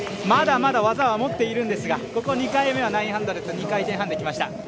まだまだ技は持っているんですがここ２回目は９００、２回転半できました。